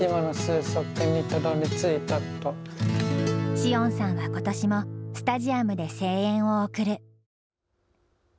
詩音さんは今年もスタジアムで声援を送る。